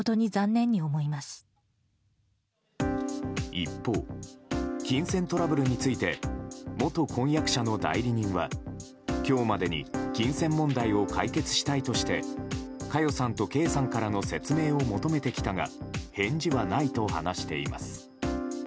一方、金銭トラブルについて元婚約者の代理人は今日までに金銭問題を解決したいとして佳代さんと圭さんからの説明を求めてきたが返事はないと話しています。